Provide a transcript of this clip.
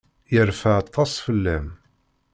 Yerfa aṭas fell-am.